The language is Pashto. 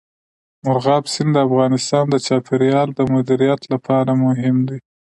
مورغاب سیند د افغانستان د چاپیریال د مدیریت لپاره مهم دي.